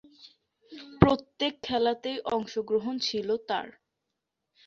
প্রত্যেক খেলাতেই অংশগ্রহণ ছিল তার।